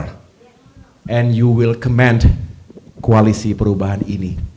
dan anda akan mengucapkan kompensasi koalisi perubahan ini